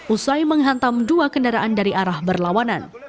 usai menghantam dua kendaraan dari arah berlawanan